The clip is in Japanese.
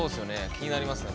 気になりますね